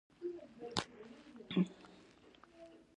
څو یادونه په خپل لپو کې را اخلم